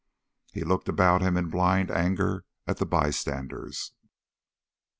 He looked about him in blind anger at the bystanders.